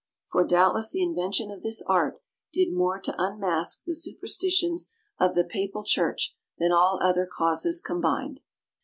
For doubtless the invention of this art did more to unmask the superstitions of the Papal church than all other causes combined.